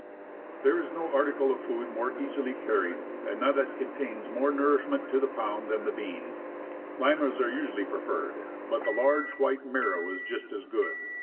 There is no article of food more easily carried, and none that contains more nourishment to the pound, than the bean. Limas are usually preferred, but the large white marrow is just as good.